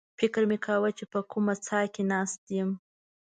فکر مې کاوه چې په کومه څاه کې ناست یم.